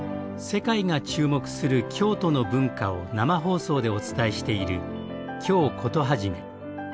世界が注目する京都の文化を生放送でお伝えしている「京コトはじめ」。